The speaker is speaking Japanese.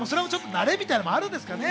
慣れみたいなものもありますかね。